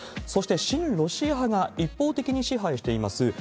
そして親ロシア派が一方的に支配しています